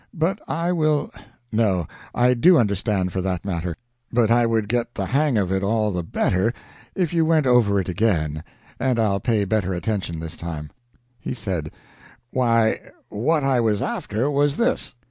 But I will no, I do understand for that matter; but I would get the hang of it all the better if you went over it again and I'll pay better attention this time." He said, "Why, what I was after was this."